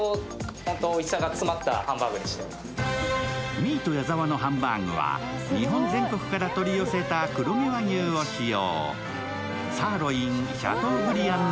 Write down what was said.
ミート矢澤のハンバーグは日本全国から取り寄せた黒毛和牛を使用。